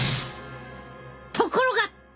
ところが！